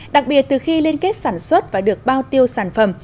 đặc biệt từ khi liên kết sản xuất và được bao tiêu sản phẩm